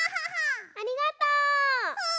ありがとう！